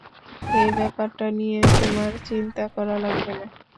এই ব্যাপারটা নিয়ে তোমার চিন্তা করা লাগবে না।